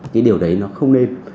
cái điều đấy nó không nên